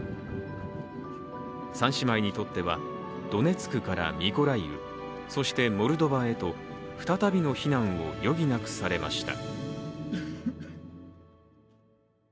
３姉妹にとっては、ドネツクからミコライウ、そしてモルドバへと、再びの避難を余儀なくされました。